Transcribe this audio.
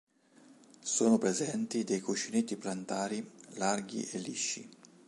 Sono presenti dei cuscinetti plantari larghi e lisci.